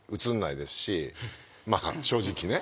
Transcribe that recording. まあ正直ね。